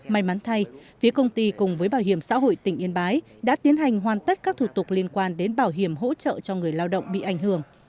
may mắn thay phía công ty cùng với bảo hiểm xã hội tỉnh yên bái đã tiến hành hoàn tất các thủ tục liên quan đến bảo hiểm hỗ trợ cho người lao động bị ảnh hưởng